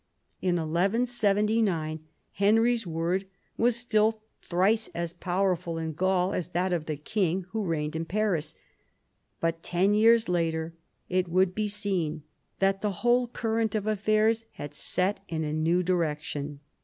In 1179 Henry's word was still thrice as powerful in Gaul as that of the king who reigned in Paris, but ten years later it would be seen that the whole current of affairs had set in a new direction.